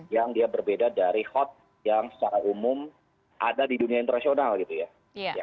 yang dia berbeda dari hot yang secara umum ada di dunia internasional gitu ya